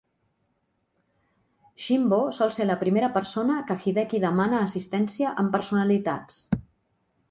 Shinbo sol ser la primera persona que Hideki demana assistència amb personalitats.